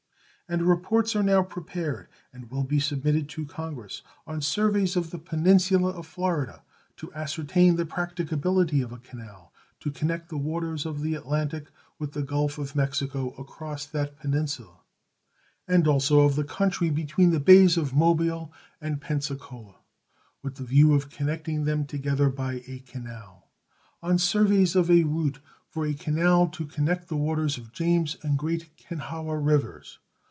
And reports are now prepared and will be submitted to Congress On surveys of the peninsula of Florida, to ascertain the practicability of a canal to connect the waters of the Atlantic with the Gulf of Mexico across that peninsula; and also of the country between the bays of Mobile and of Pensacola, with the view of connecting them together by a canal. On surveys of a route for a canal to connect the waters of James and Great Kenhawa rivers.